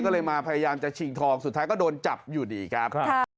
ก็เลยมาพยายามจะชิงทองสุดท้ายก็โดนจับอยู่ดีครับ